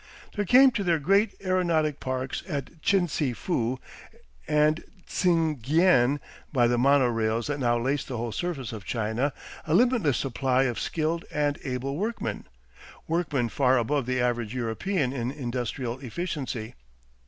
There came to their great aeronautic parks at Chinsi fu and Tsingyen by the mono rails that now laced the whole surface of China a limitless supply of skilled and able workmen, workmen far above the average European in industrial efficiency.